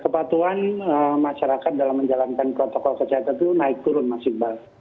kepatuan masyarakat dalam menjalankan protokol kesehatan itu naik turun masing masing